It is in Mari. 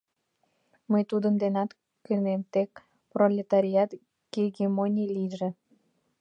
Мый тудын денат кӧнем, тек пролетариат гегемоний лийже.